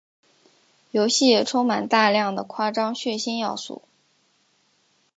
游戏也充满大量的夸张血腥要素。